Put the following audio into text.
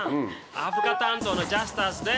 アフリカ担当のジャスタスです。